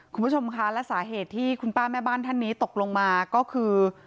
คุณผู้ชมคะและสาเหตุที่คุณป้าแม่บ้านท่านนี้ตกลงมาก็คือ